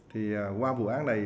thì qua vụ án này